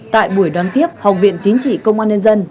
tại buổi đón tiếp học viện chính trị công an nhân dân